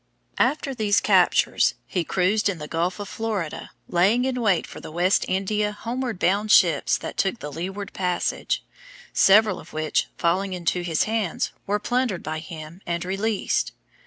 _] After these captures, he cruised in the Gulf of Florida, laying in wait for the West India homeward bound ships that took the leeward passage, several of which, falling into his hands, were plundered by him, and released.